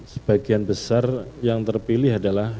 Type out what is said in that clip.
sebagian besar yang terpilih adalah